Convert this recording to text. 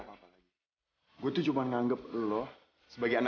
ratu kecil kamu lagi baca apa